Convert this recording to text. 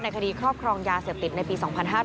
คดีครอบครองยาเสพติดในปี๒๕๕๙